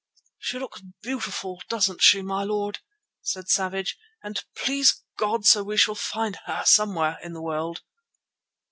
"'She looks beautiful, doesn't she, my lord,' said Savage, 'and please God so we shall still find her somewhere in the world.